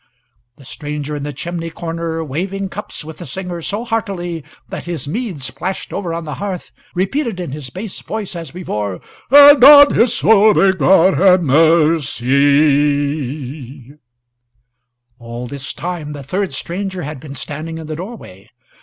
The stranger in the chimney corner, waving cup with the singer so heartily that his mead splashed over on the hearth, repeated in his bass voice as before: "And on his soul may God ha' mercy!" All this time the third stranger had been standing in the doorway.